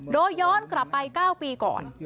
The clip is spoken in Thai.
โดยย้อนกลับไป๙ปีก่อน